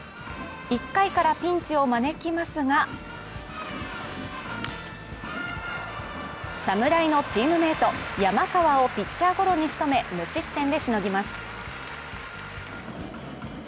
１回からピンチを招きますが侍のチームメート・山川をピッチャーゴロにしとめ無失点でしのぎます。